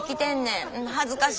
恥ずかしい。